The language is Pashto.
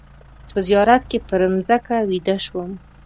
په زیارت کې پر مځکه ویده شوم.